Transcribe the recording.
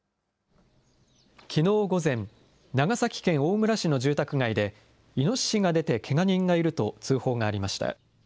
きのう午前、長崎県大村市の住宅街で、イノシシが出てけが人がいると通報がありました。